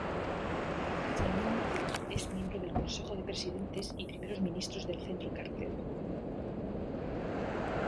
Jamil Mahuad es miembro del Consejo de Presidentes y Primeros Ministros del Centro Carter.